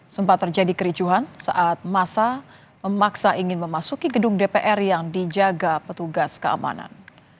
sempat terjadi kericuhan saat masa memaksa ingin memasuki gedung dpr yang dijaga petugas keamanan